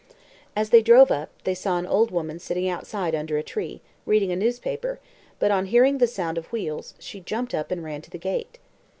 As they drove up, they saw an old woman sitting outside under a tree, reading a newspaper; but, on hearing the sound of wheels, she jumped up and ran to the gate.